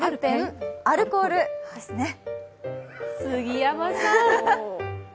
杉山さん。